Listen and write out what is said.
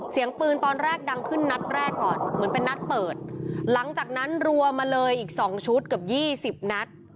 เสียงปืนตอนแรกดังขึ้นนัดแรกก่อนเหมือนเป็นนัดเปิดหลังจากนั้นรัวมาเลยอีกสองชุดเกือบยี่สิบนัด